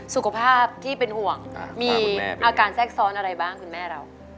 สุขภาพที่เป็นห่วงมีอาการแทรกซ้อนอะไรบ้างคุณแม่เรา